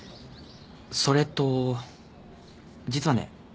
それと実はね